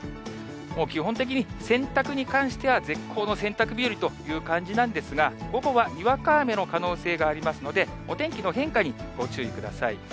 もう基本的に洗濯に関しては、絶好の洗濯日和という感じなんですが、午後はにわか雨の可能性がありますので、お天気の変化にご注意ください。